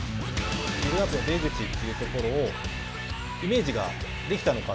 ビルドアップの出口というところをイメージができたのか。